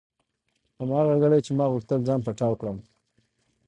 هماغه ګړۍ چې ما غوښتل ځان پټاو کړم.